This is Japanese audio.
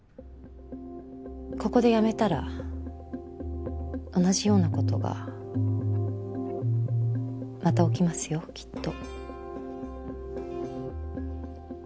ここでやめたら同じようなことがまた起きますよきっと。